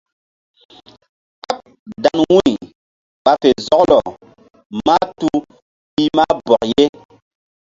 Káɓ dan wu̧y ɓa fe zɔklɔ mahtuh pih mah bɔk ye.